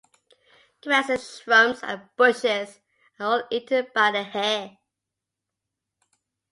Grasses, shrubs, and bushes are all eaten by the hare.